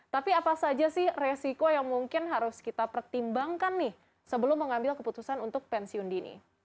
tapi apa saja sih resiko yang mungkin harus kita pertimbangkan nih sebelum mengambil keputusan untuk pensiun dini